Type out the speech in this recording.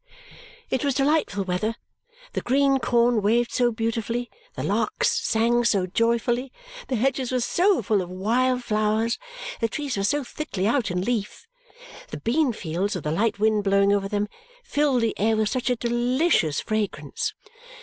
It was delightful weather. The green corn waved so beautifully, the larks sang so joyfully, the hedges were so full of wild flowers, the trees were so thickly out in leaf, the bean fields, with a light wind blowing over them, filled the air with such a delicious fragrance!